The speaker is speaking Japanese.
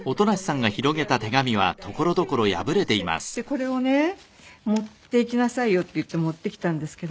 これをね持っていきなさいよっていって持ってきたんですけど。